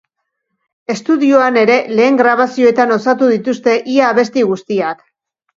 Estudioan ere, lehen grabazioetan osatu dituzte ia abesti guztiak.